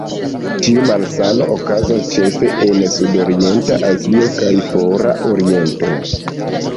Tiu malsano okazas ĉefe en Sudorienta Azio kaj Fora Oriento.